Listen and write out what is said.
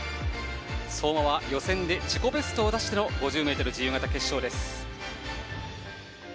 相馬は予選で自己ベストを出して５０ｍ自由形決勝です。